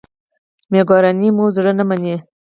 مېکاروني مو زړه نه مني.